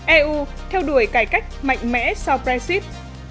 eu theo đuổi cải cách mạnh mẽ sau brexit